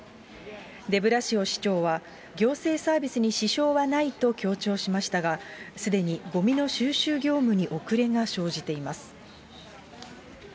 デブラシオ市長は、行政サービスに支障はないと強調しましたが、すでにごみの収集業務に遅れが生じています。